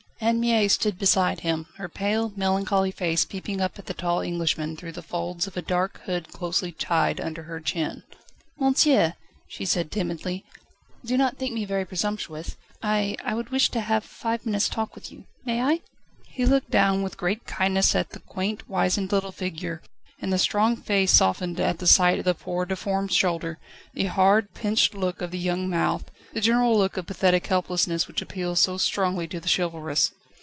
Anne Mie stood beside him, her pale, melancholy face peeping up at the tall Englishman, through the folds of a dark hood closely tied under her chin. "Monsieur," she said timidly, "do not think me very presumptuous. I I would wish to have five minutes' talk with you may I?" He looked down with great kindness at the quaint, wizened little figure, and the strong face softened at the sight of the poor, deformed shoulder, the hard, pinched look of the young mouth, the general look of pathetic helplessness which appeals so strongly to the chivalrous.